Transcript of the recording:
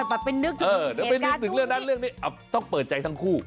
ไปนึกถึงเหตุการณ์ตัวนี้